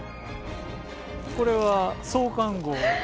これは創刊号です。